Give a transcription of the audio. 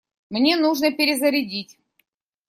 Мне нужно перезарядить.